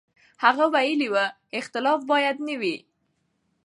هغه ویلي و، اختلاف باید نه وي.